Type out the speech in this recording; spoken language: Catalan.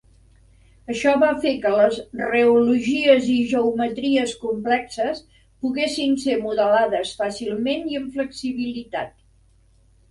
Això va fer que les reologies i geometries complexes poguessin ser modelades fàcilment i amb flexibilitat.